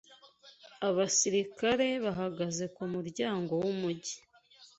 Abasirikare bahagaze ku muryango w’umujyi.